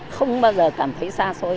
không bao giờ cảm thấy xa xôi